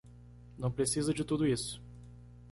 Não precisa de tudo isso.